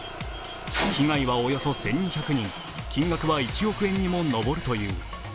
被害はおよそ１２００人、金額はおよそ１億円にも上るという。